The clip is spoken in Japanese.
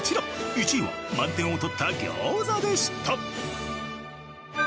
１位は満点を取った餃子でした！